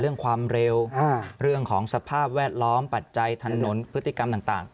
เรื่องความเร็วเรื่องของสภาพแวดล้อมปัจจัยถนนพฤติกรรมต่าง